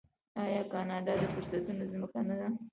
آیا کاناډا د فرصتونو ځمکه نه ده؟